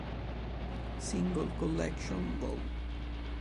Single Collection Vol.